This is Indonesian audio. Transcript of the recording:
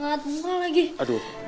masih lemes banget